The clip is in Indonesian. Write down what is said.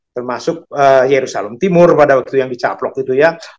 termasuk yerusalem timur pada waktu yang dicaplok itu ya